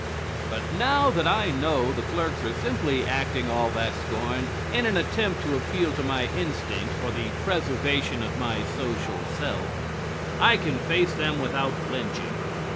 ] But now that I know the clerks are simply acting all that scorn in an attempt to appeal to my instinct for the preservation of my social self, I can face them without flinching.